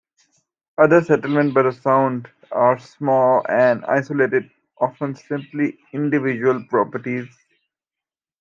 Other settlements by the sound are small and isolated-often simply individual properties.